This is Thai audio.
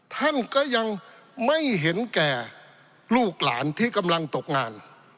ท่านก็ยังไม่เห็นแก่ลูกหลานที่กำลังตกงาน